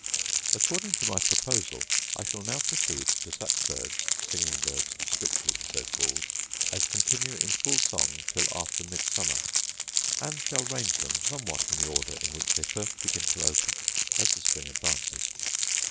According to my proposal, I shall now proceed to such birds (singing birds strictly so called) as continue in full song till after Midsummer; and shall range them somewhat in the order in which they first begin to open as the spring advances.